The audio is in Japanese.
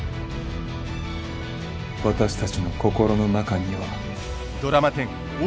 私たちの心の中には。